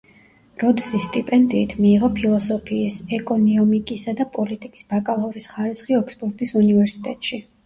როდსის სტიპენდიით მიიღო ფილოსოფიის, ეკონიომიკისა და პოლიტიკის ბაკალავრის ხარისხი ოქსფორდის უნივერსიტეტში.